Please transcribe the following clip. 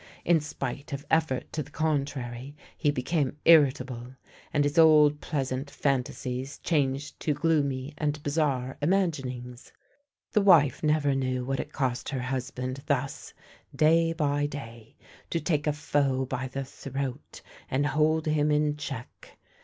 In spite of effort to the contrary he became irritable, and his old pleasant fantasies changed to gloomy and bizarre imaginings. The wife never knew what it cost her husband thus, day by day, to take a foe by the throat and hold him in check.